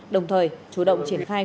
đồng thời chủ động triển khai